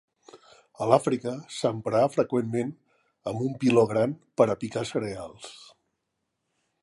A l'Àfrica s'empra freqüentment amb un piló gran per a picar cereals.